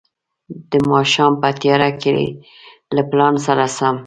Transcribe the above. د ماښام په تياره کې له پلان سره سم.